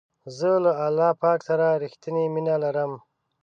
زه له الله پاک سره رښتنی مینه لرم.